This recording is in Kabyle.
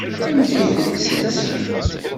Anda ay ten-tessersemt?